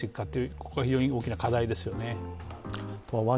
ここは非常に大きな課題ですよね。